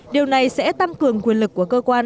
điều này sẽ tăng cường quyền lực của cơ quan